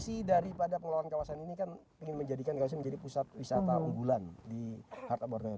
jadi yang visi dari pengelolaan kawasan ini kan ingin menjadikan kawasan menjadi pusat wisata unggulan di harta bawang tengah